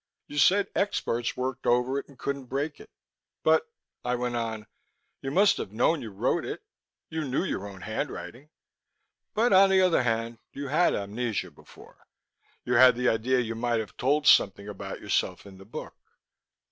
You said experts worked over it and couldn't break it. But," I went on, "you must have known you wrote it; you knew your own handwriting. But on the other hand, you had amnesia before; you had the idea you might have told something about yourself in the book...."